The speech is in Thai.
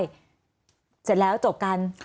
เสร็จแล้วจบกัน